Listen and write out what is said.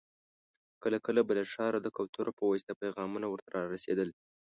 کله کله به له ښاره د کوترو په واسطه پيغامونه ور ته را رسېدل.